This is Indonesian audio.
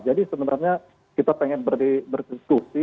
sebenarnya kita pengen berdiskusi